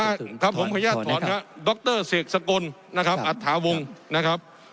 ผมขออนุญาตถอนนะครับดรเสกสกลนะครับอัตถาวงนะครับ